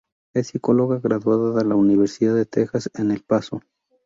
Es psicóloga graduada de la Universidad de Texas en El Paso.